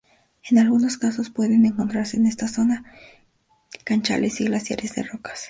En algunos casos pueden encontrarse en esta zona canchales y glaciares de rocas.